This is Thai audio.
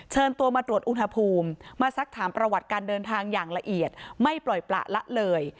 เชิญตัวมาตรวจอุณหภูมิมาสักถามประวัติการเดินทางอย่างละเอียดไม่ปล่อยประละเลย